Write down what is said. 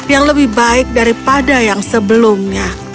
yang lebih baik daripada yang sebelumnya